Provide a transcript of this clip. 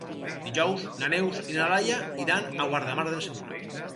Dijous na Neus i na Laia iran a Guardamar del Segura.